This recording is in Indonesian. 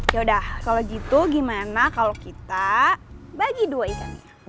yaudah kalau gitu gimana kalau kita bagi dua ikannya